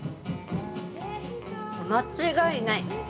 間違いない。